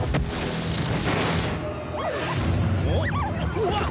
うわっ！